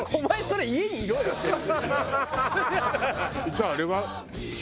じゃああれは？